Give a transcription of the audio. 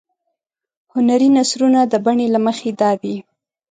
هنري نثرونه د بڼې له مخې دادي.